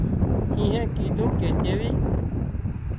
شينهنئي ڪيڌون ڪي چيوي